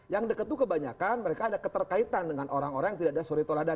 yang dekat itu kebanyakan mereka ada keterkaitan dengan orang orang yang tidak ada suri toladan